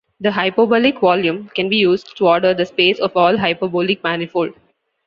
The hyperbolic volume can be used to order the space of all hyperbolic manifold.